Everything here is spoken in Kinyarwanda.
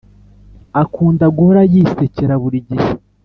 Akunda guhora yisekera buri gihe